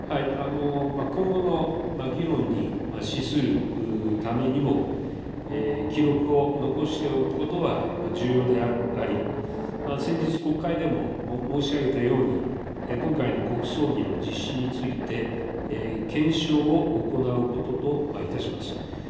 今後の議論に資するためにも、記録を残しておくことは重要であり、先日、国会でも申し上げたように、今回の国葬儀の実施について、検証を行うことといたします。